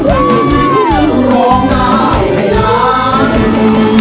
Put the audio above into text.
ความสุขไปเลย